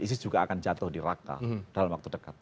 isis juga akan jatuh di raqqa dalam waktu dekat